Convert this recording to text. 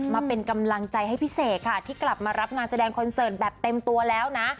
มาเป็นกำลังใจให้พี่เสกค่ะที่กลับมารับงานแสดงคอนเสิร์ตแบบเต็มตัวแล้วนะ